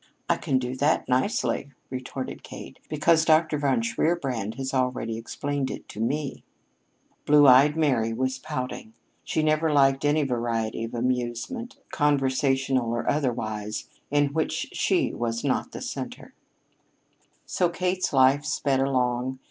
"I can do that nicely," retorted Kate, "because Dr. von Shierbrand has already explained it to me." Blue eyed Mary was pouting. She never liked any variety of amusement, conversational or otherwise, in which she was not the center. So Kate's life sped along.